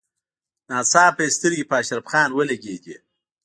ناڅاپه يې سترګې په اشرف خان ولګېدې.